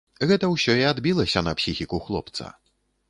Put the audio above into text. Гэта ўсё і адбілася на псіхіку хлопца.